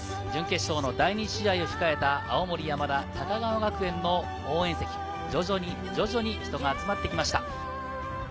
準決勝の第２試合を控えた青森山田、高川学園の応援席、徐々に人が集まってきました。